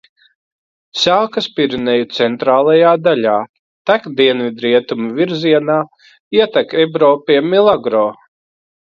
Sākas Pireneju centrālajā daļā, tek dienvidrietumu virzienā, ietek Ebro pie Milagro.